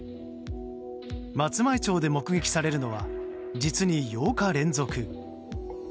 松前町で目撃されるのは実に８日連続。